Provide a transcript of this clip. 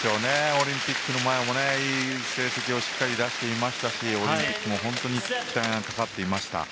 オリンピックの前もいい成績をしっかり出していたしオリンピックも本当に期待がかかっていました。